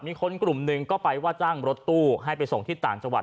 มีคนกลุ่มหนึ่งก็ไปว่าจ้างรถตู้ให้ไปส่งที่ต่างจังหวัด